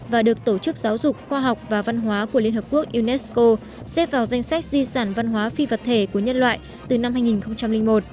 và được tổ chức giáo dục khoa học và văn hóa của liên hợp quốc unesco xếp vào danh sách di sản văn hóa phi vật thể của nhân loại từ năm hai nghìn một